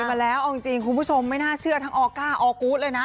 มาแล้วเอาจริงคุณผู้ชมไม่น่าเชื่อทั้งออก้าออกูธเลยนะ